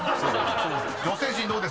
［女性陣どうですか？］